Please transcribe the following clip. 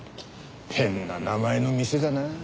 変な名前の店だなあ。